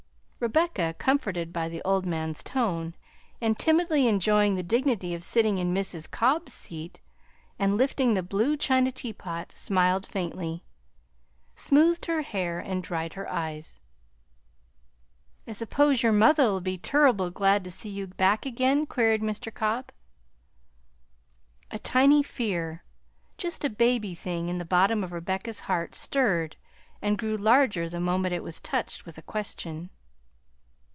Rebecca, comforted by the old man's tone, and timidly enjoying the dignity of sitting in Mrs. Cobb's seat and lifting the blue china teapot, smiled faintly, smoothed her hair, and dried her eyes. "I suppose your mother'll be turrible glad to see you back again?" queried Mr. Cobb. A tiny fear just a baby thing in the bottom of Rebecca's heart stirred and grew larger the moment it was touched with a question.